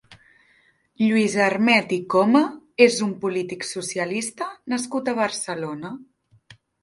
Lluís Armet i Coma és un polític socialista nascut a Barcelona.